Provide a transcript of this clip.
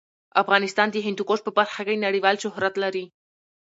افغانستان د هندوکش په برخه کې نړیوال شهرت لري.